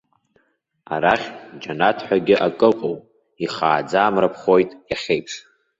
Арахь џьанаҭ ҳәагьы акы ыҟоуп, ихааӡа амра ԥхоит, иахьеиԥш.